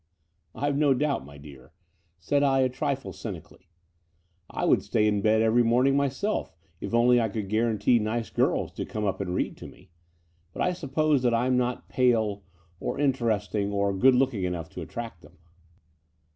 *'IVe no doubt, my dear," said I a trifle cynic ally. *' I would stay in bed every morning myself, if only I could guarantee nice girls to come up and read to me: but I suppose that I'm not pale or interesting or good looking enough to attract them."